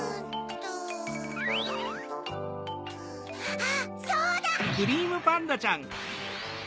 あっそうだ！